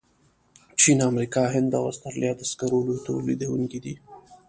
چین، امریکا، هند او استرالیا د سکرو لوی تولیدونکي دي.